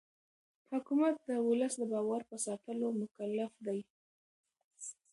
حکومت د ولس د باور په ساتلو مکلف دی